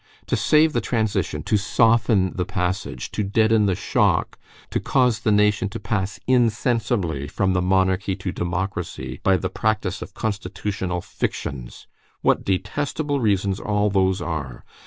To save the transition, to soften the passage, to deaden the shock, to cause the nation to pass insensibly from the monarchy to democracy by the practice of constitutional fictions,—what detestable reasons all those are!